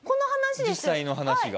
実際の話が？